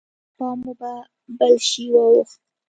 پام مو په بل شي واوښت.